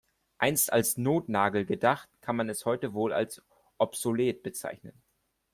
Einst als Notnagel gedacht, kann man es heute wohl als obsolet bezeichnen.